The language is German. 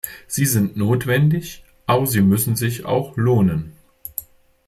Sie sind notwendig, aber sie müssen sich auch lohnen.